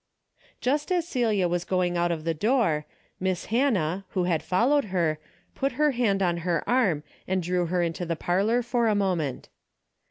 Just as Celia was going out of the door. Miss Hannah, who had followed her, put her hand on her arm and drew her into the parlor for a moment.